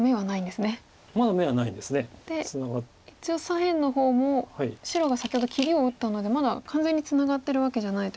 で一応左辺の方も白が先ほど切りを打ったのでまだ完全にツナがってるわけじゃないということで。